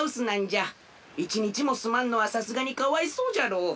１にちもすまんのはさすがにかわいそうじゃろう。